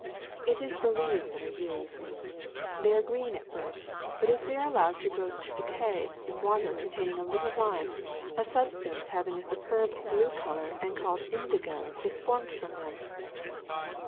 It is the leaves that are used. They are green at first, but if they are allowed to go to decay in water containing a little lime, a substance having a superb blue color and called indigo is formed from them.